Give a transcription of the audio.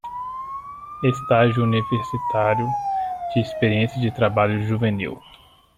Estágio Universitário de Experiência de Trabalho Juvenil